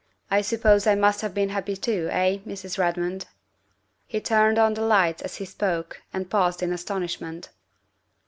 I suppose I must have been happy too, eh, Mrs. Redmond?" He turned on the lights as he spoke and paused in astonishment.